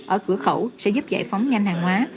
ở cửa khẩu sẽ giúp giải phóng nhanh hàng hóa